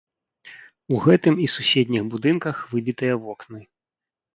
У гэтым і суседніх будынках выбітыя вокны.